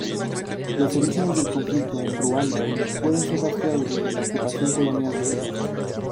Los orígenes del conflicto en Ruanda pueden ser rastreados desde la ocupación colonial belga.